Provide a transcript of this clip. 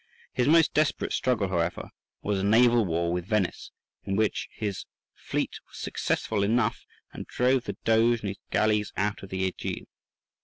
His most desperate struggle, however, was a naval war with Venice, in which his fleet was successful enough, and drove the Doge and his galleys out of the Ægean.